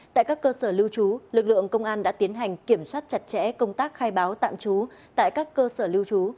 tại các cơ sở lưu trú lực lượng công an đã tiến hành kiểm soát chặt chẽ công tác khai báo tạm trú tại các cơ sở lưu trú